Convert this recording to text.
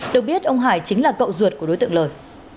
được biết ông hải chính là cậu ruột của đối tượng lời